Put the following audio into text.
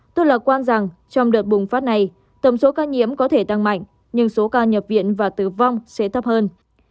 tôi lạc quan rằng trong đợt bùng phát này tầm số ca nhiễm có thể tăng mạnh nhưng số ca nhập viện và tử vong sẽ thấp hơn